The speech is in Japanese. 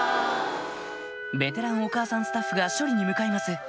ベテランお母さんスタッフが処理に向かいます